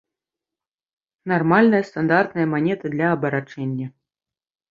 Нармальная стандартная манета для абарачэння.